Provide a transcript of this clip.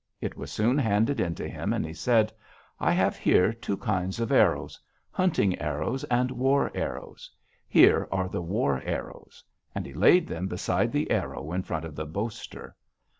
It was soon handed in to him, and he said: 'I have here two kinds of arrows: hunting arrows and war arrows. Here are the war arrows.' And he laid them beside the arrow in front of the boaster.